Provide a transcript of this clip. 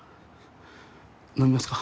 飲みますか？